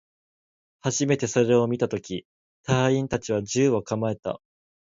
はじめそれを見たとき、隊員達は銃を構えた